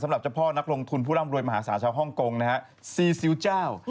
สำหรับเจ้าพ่อนักลงทุนผู้ร่ำรวยมหาศาลชาวฮ่องกงนะฮะซีซิลเจ้า